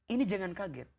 ini jangan kaget